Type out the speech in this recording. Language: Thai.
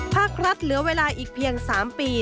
ภาครัฐเหลือเวลาอีกเพียง๓ปี